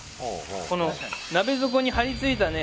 この鍋底に張りついたね